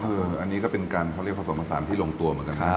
อันนี้ก็เป็นการเขาเรียกผสมผสานที่ลงตัวเหมือนกันนะ